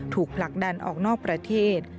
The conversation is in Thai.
ผลักดันออกนอกประเทศ